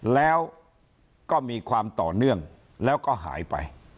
แล้วก็มีความต่อเนื่องแล้วก็หายไป